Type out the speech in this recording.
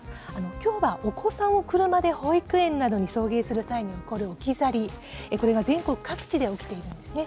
きょうはお子さんを車で保育園などに送迎する際に起こる置き去り、これが全国各地で起きているんですね。